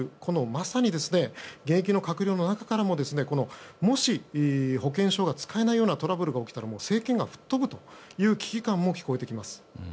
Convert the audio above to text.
まさに、現役の閣僚の中からももし、保険証が使えないようなトラブルが起きたら政権が吹っ飛ぶという危機感も聞こえてきます。